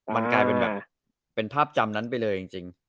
มันกลายเป็นแบบเป็นภาพจำนั้นไปเลยจริง